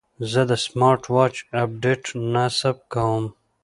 زه د سمارټ واچ اپډیټ نصب کوم.